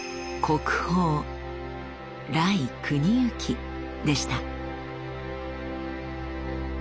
国宝来国行でした。